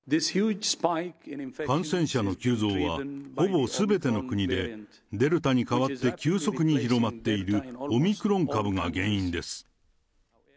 感染者の急増は、ほぼすべての国でデルタに変わって急速に広まっているオミクロン株が原因です。